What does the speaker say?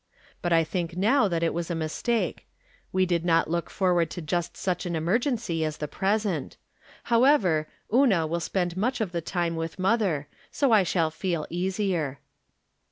But I think now it was a mistake. We did not look forward to just such an emergency as the present. However, Una will spend much of the time with mother ; so I shall feel easier.